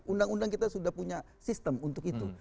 undang undang kita sudah punya sistem untuk itu